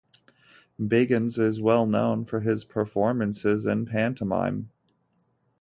Biggins is well known for his performances in pantomime.